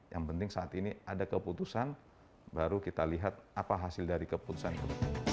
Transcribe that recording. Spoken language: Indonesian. yang penting saat ini ada keputusan baru kita lihat apa hasil dari keputusan tersebut